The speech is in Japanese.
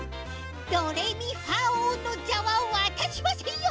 ドレミファおうのざはわたしませんよ！